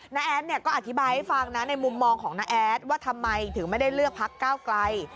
้าแอดเนี่ยก็อธิบายให้ฟังนะในมุมมองของน้าแอดว่าทำไมถึงไม่ได้เลือกพักก้าวไกล